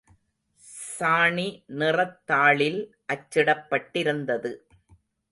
சாணி நிறத் தாளில் அச்சிடப் பட்டிருந்தது.